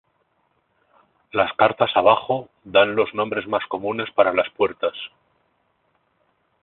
Las cartas abajo dan los nombres más comunes para las puertas.